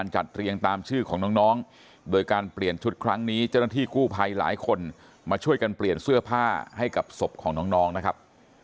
จัดเรียงตามชื่อของน้องโดยการเปลี่ยนชุดครั้งนี้เจ้าหน้าที่กู้ภัยหลายคนมาช่วยกันเปลี่ยนเสื้อผ้าให้กับศพของน้องนะครับ